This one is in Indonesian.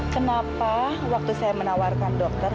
kenapa waktu saya menawarkan dokter